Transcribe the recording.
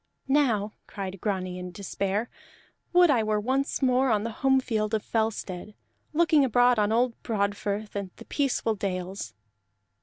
"Now," cried Grani in despair, "would I were once more on the home field of Fellstead, looking abroad on old Broadfirth and the peaceful dales!"